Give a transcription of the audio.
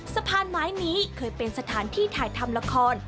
สะพานไม้นี้เคยเป็นสถานที่ถ่ายทำละคร